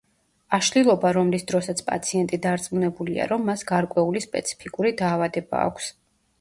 აშლილობა, რომლის დროსაც პაციენტი დარწმუნებულია, რომ მას გარკვეული სპეციფიკური დაავადება აქვს.